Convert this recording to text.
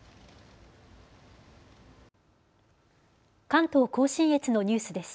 関東甲信越のニュースです。